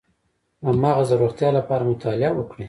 د مغز د روغتیا لپاره مطالعه وکړئ